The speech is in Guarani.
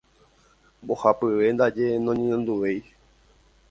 Mbohapyve ndaje noñeñanduvéi.